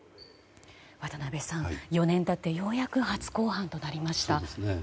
渡辺さん、４年経ってようやく初公判となりました。